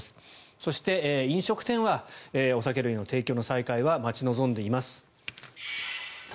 そして、飲食店はお酒類の提供の再開は待ち望んでいます。